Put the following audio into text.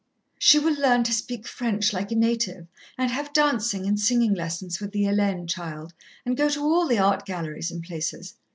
"She will learn to speak French like a native, and have dancing and singing lessons with the Hélène child, and go to all the art galleries and places....